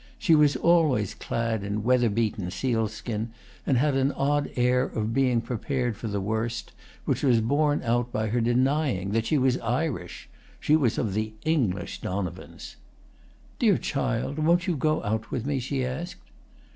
She was always clad in weather beaten sealskin, and had an odd air of being prepared for the worst, which was borne out by her denying that she was Irish. She was of the English Donovans. "Dear child, won't you go out with me?" she asked.